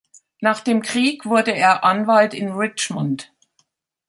Nach dem Krieg wurde er Anwalt in Richmond.